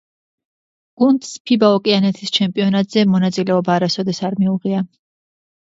გუნდს ფიბა ოკეანეთის ჩემპიონატზე მონაწილეობა არასოდეს არ მიუღია.